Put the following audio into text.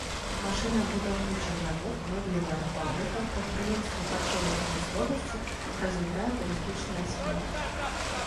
Машынабудаўнічы завод, мэблевая фабрыка, прадпрыемствы харчовай прамысловасці, развітая турыстычная сфера.